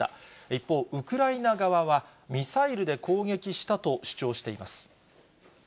一方、ウクライナ側は、ミサイルで攻撃したと主張しています。